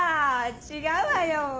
違うわよ。